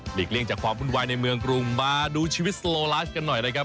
เลี่ยงจากความวุ่นวายในเมืองกรุงมาดูชีวิตสโลลาสกันหน่อยนะครับ